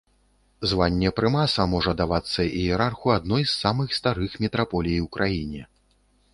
Званне прымаса можа давацца іерарху адной з самых старых мітраполій у краіне.